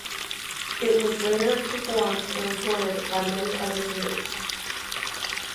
It was later performed and recorded by many other singers.